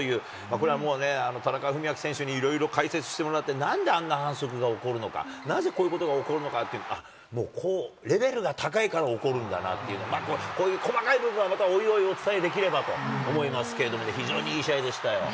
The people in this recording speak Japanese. これはもうね、田中史朗選手にいろいろ解説してもらって、なんであんな反則が起こるのか、なぜこういうことが起こるのかって、もうレベルが高いから起こるんだなっていう、これ、こういう細かい部分はまたおいおいお伝えできればと思いますけれどもね、非常にいい試合でしたよ。